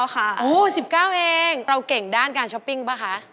๑๙เองเราเก่งด้านการช้อปปิ้งป่ะคะ